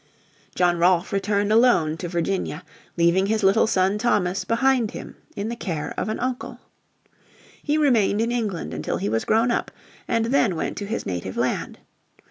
John Rolfe returned alone to Virginia, leaving his little son Thomas behind him in the care of an uncle. He remained in England until he was grown up, and then went to his native land.